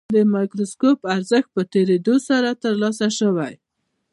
د مایکروسکوپ ارزښت په تېرېدو سره ترلاسه شوی.